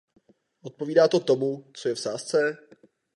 Odpovídá to tomu, co je v sázce?